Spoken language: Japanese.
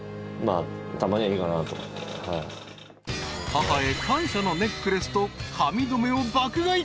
［母へ感謝のネックレスと髪留めを爆買い］